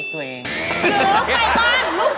เป็นไงให้มีตัวเอง